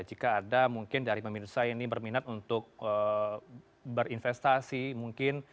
jika ada mungkin dari pemirsa ini berminat untuk berinvestasi mungkin